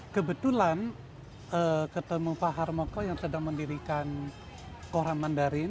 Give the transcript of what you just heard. kebetulan ketemu pak harmoko yang sedang mendirikan koran mandarin